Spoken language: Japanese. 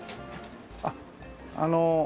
あっあの。